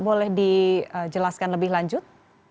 boleh dijelaskan lebih lanjut